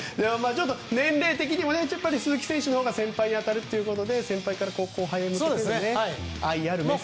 年齢的にも鈴木選手のほうが先輩に当たるということで先輩から後輩に向けての愛あるメッセージ。